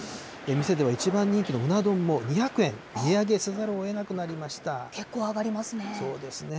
店では一番人気のうな丼も２００円値上げせざるをえなくなりまし結構上がりますね。